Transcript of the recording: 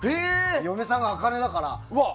嫁さんがアカネだから。